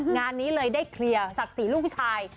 งานนี้เลยได้เคลียร์ศักดิ์ศรีลูกผู้ชาย